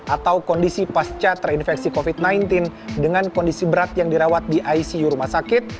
atau kondisi pasca terinfeksi covid sembilan belas dengan kondisi berat yang dirawat di icu rumah sakit